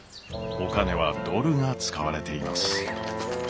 お金はドルが使われています。